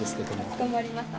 かしこまりました。